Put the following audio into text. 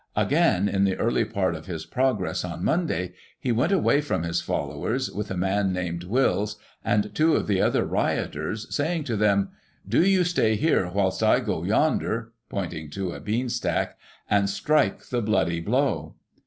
Again, in the early part of his progress on Monday, he went away from his followers with a man named Wills, and two of the other rioters, saying to them, 'Do you stay here, whilst I go yonder,' pointing to a bean stack, *and strike the bloody blow.'